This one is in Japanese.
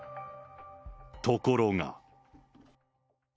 ところが。